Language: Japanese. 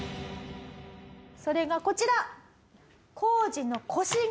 それがこちら。